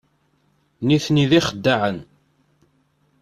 Nitni d ixeddaɛen.